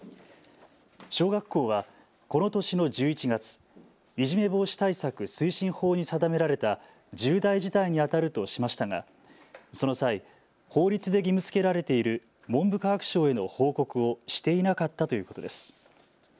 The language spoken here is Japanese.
小学校はこの年の１１月、いじめ防止対策推進法に定められた重大事態にあたるとしましたがその際、法律で義務づけられている文部科学省への報告をしていなかったということです。